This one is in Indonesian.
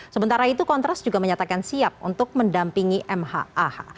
sementara itu kontras juga menyatakan siap untuk mendampingi mhah